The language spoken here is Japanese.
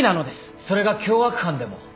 それが凶悪犯でも？